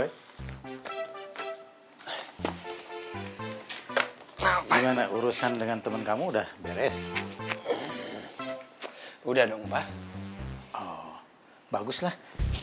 hai boy gimana urusan dengan temen kamu udah beres udah dong pak oh baguslah